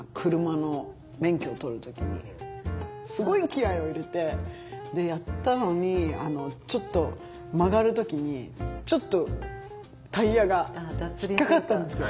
すごい気合いを入れてやったのにちょっと曲がる時にちょっとタイヤが引っ掛かったんですよ。